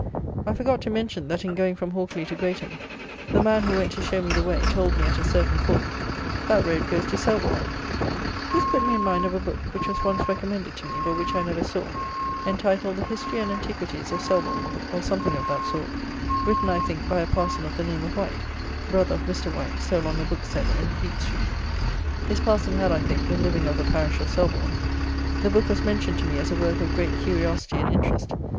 I forgot to mention, that, in going from Hawkley to Greatham, the man, who went to show me the way, told me at a certain fork, "That road goes to Selborne." This put me in mind of a book, which was once recommended to me, but which I never saw, entitled "The History and Antiquities of Selborne," (or something of that sort) written, I think, by a parson of the name of White, brother of Mr. White, so long a Bookseller in Fleet street. This parson had, I think, the living of the parish of Selborne. The book was mentioned to me as a work of great curiosity and interest.